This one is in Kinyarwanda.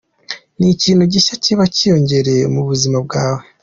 Ni ikintu gishya kiba kiyongereye mu buzima bwawe.